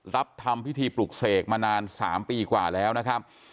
ทำพิธีปลุกเสกมานาน๓ปีกว่าแล้วนะครับ